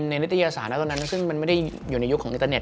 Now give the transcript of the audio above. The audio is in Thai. ในวิทยาศาสตร์นั้นนั้นซึ่งมันไม่ได้อยู่ในยุคของอินเตอร์เน็ต